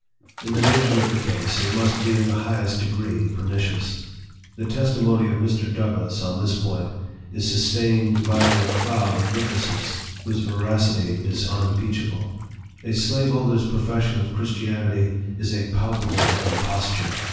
In the nature of the case, it must be in the highest de gree pernicious. The testimony of Mr. DOUGLASS, on this point, is sustained by a cloud of witnesses, whose veracity is unimpeachable. " A slaveholder's profes sion of Christianity is a palpable imposture.